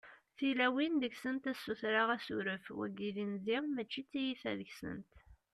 tilawin deg-sent ad ssutreɣ asuref, wagi d inzi mačči t-tiyita deg-sent